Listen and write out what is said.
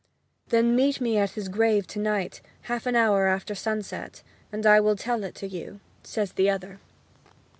'Then meet me at his grave to night, half an hour after sunset, and I will tell it to you,' says the other.